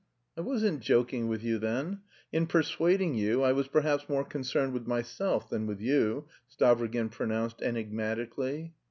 "I wasn't joking with you then; in persuading you I was perhaps more concerned with myself than with you," Stavrogin pronounced enigmatically.